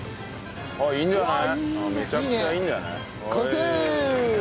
いいんじゃない？